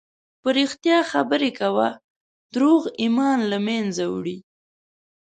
په رښتیا خبرې کوه، دروغ ایمان له منځه وړي.